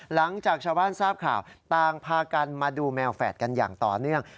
หลังจากชาวบ้านทราบข่าวต่างพากันมาดูแมวแฝดกันอย่างต่อเนื่อง